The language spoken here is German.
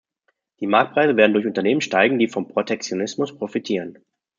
Die Marktpreise werden durch Unternehmen steigen, die von Protektionismus profitieren.